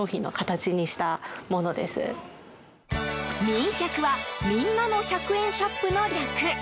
みん１００はみんなの１００円ショップの略。